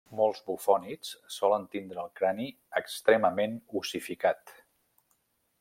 Molts bufònids solen tindre el crani extremament ossificat.